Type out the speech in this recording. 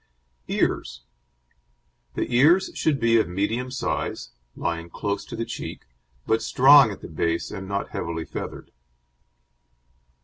EARS The ears should be of medium size, lying close to the cheek, but strong at the base and not heavily feathered.